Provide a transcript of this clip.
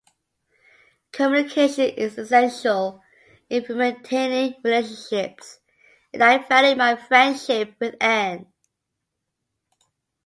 Communication is essential in maintaining relationships, and I value my friendship with Ann.